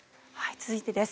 続いてです。